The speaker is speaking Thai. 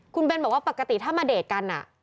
คุณเบนบอกว่าปกติถ้ามาเดทกัน